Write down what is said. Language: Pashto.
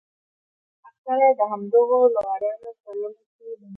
اکثره يې د همدغو لغړیانو په لومه کې بندېږي.